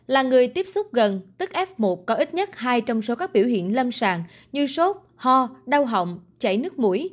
là người tiếp xúc gần tức f một có ít nhất hai trong số các biểu hiện lâm sàng như sốt ho đau họng chảy nước mũi